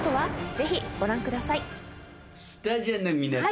ぜひご覧ください。